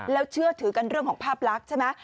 แล้วเชื่อถือกันเรื่องของภาพลักษณ์ใช่ไหม